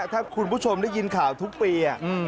ถ้าคุณผู้ชมได้ยินข่าวทุกปี